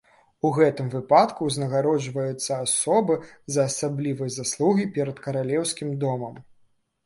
У гэтым выпадку ўзнагароджваюцца асобы за асаблівыя заслугі перад каралеўскім домам.